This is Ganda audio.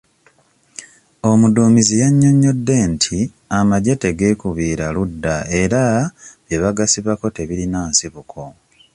Omudduumizi yannyonyodde nti amagye tegeekubira ludda era byebagasibako tebirina nsibuko.